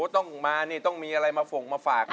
ต้องมานี่ต้องมีอะไรมาส่งมาฝาก